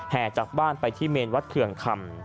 จากบ้านไปที่เมนวัดเคืองคำ